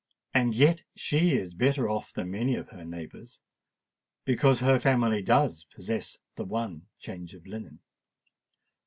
And yet she is better off than many of her neighbours—because her family does possess the one change of linen!